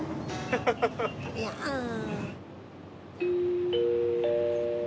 いやん。